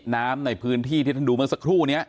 น้ำในพื้นที่ที่ท่านดูเมื่อสักครู่นี้